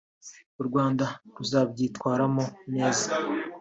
u Rwanda ruzabyitwaramo neza